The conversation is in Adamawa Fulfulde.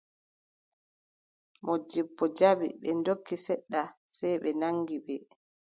Moodibbo jaɓi, ɓe ndokki, seɗɗa sey ɓe naŋgi ɓe.